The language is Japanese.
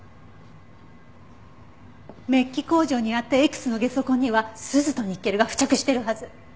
メッキ工場にあったＸのゲソ痕にはスズとニッケルが付着してるはず。